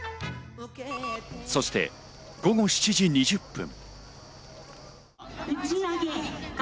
そして午後７時２０分。